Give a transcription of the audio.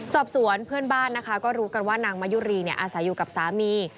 สอบสวนเพื่อนบ้านนะคะก็รู้กันว่านางมายุรีอาศัยอยู่กับสามี